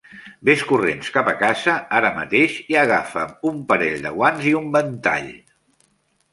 Ves corrents cap a casa ara mateix i agafa'm un parell de guants i un ventall!